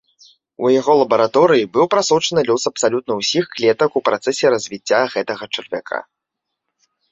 У яго лабараторыі быў прасочаны лёс абсалютна ўсіх клетак у працэсе развіцця гэтага чарвяка.